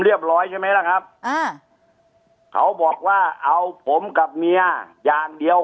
ร้อยใช่ไหมล่ะครับอ่าเขาบอกว่าเอาผมกับเมียอย่างเดียว